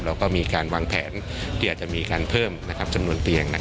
แล้วก็มีการวางแผนที่อาจจะมีการเพิ่มจำนวนเตียง